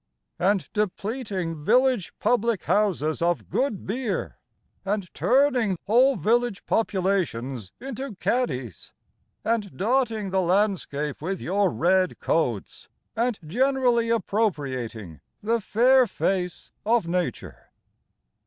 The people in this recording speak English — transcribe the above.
And depleting village public houses of good beer, And turning whole village populations into caddies, And dotting the landscape with your red coats, And generally appropriating the fair face of Nature.